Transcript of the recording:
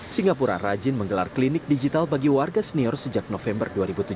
singapura rajin menggelar klinik digital bagi warga senior sejak november dua ribu tujuh belas